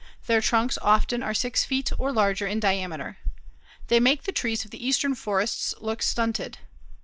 Their trunks often are 6 feet or larger in diameter. They make the trees of the eastern forests look stunted.